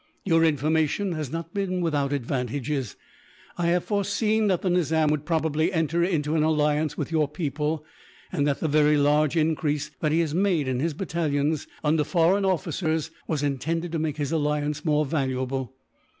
Your information has not been without advantages. I have foreseen that the Nizam would probably enter into an alliance with your people; and that the very large increase that he has made in his battalions, under foreign officers, was intended to make his alliance more valuable.